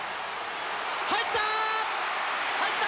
入った！